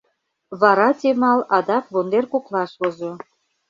Вара Темал адак вондер коклаш возо.